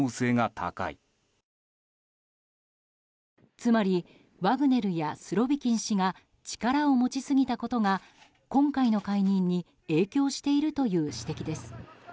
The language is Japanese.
つまりワグネルやスロビキン氏が力を持ちすぎたことが今回の解任に影響しているという指摘です。